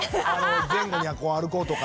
前後にこう歩こうとか。